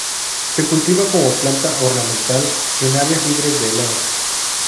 Se cultiva como planta ornamental en áreas libres de heladas.